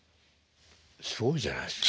すごいじゃないですか。